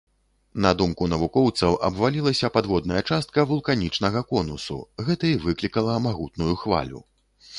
На думку навукоўцаў, абвалілася падводная частка вулканічнага конусу, гэта і выклікала магутную хвалю.